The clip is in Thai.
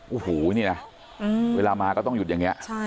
โอ้โหนี่นะเวลามาก็ต้องหยุดอย่างนี้